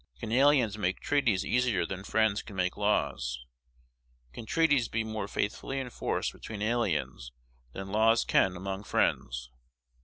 Can aliens make treaties easier than friends can make laws? Can treaties be more faithfully enforced between aliens than laws can among friends?